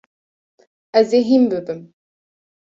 Ez ê hîn bibim.